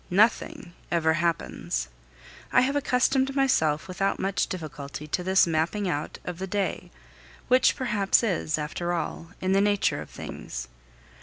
Nothing ever happens. I have accustomed myself without much difficulty to this mapping out of the day, which perhaps is, after all, in the nature of things.